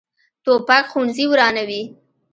توپک ښوونځي ورانوي.